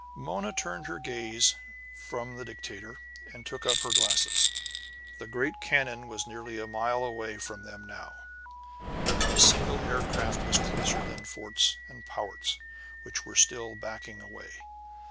Mona turned her gaze from the dictator, and took up her glasses. The great cannon was nearly a mile away from them now; not a single aircraft was closer than Fort's and Powart's, which were still backing away.